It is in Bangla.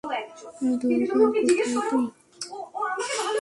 দ্বোরকা, কোথায় তুই?